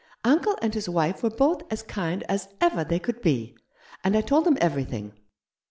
Uncle and his wife were both as kind as ever they could be ; and I told them everything.